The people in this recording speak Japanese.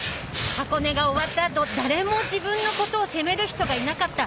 箱根が終わったあと誰も自分のことを責める人がいなかった。